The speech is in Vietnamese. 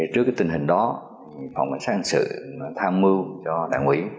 trước tình hình đó phòng xã hội xã hội xã hội tham mưu cho đảng ủy